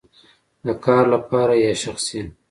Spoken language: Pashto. د کار لپاره یا شخصی؟